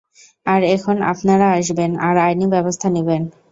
আর এখন আপনারা আসবেন, আর আইনী ব্যবস্থা নিবেন?